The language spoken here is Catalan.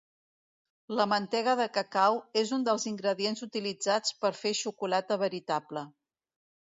La mantega de cacau és un dels ingredients utilitzats per fer xocolata veritable.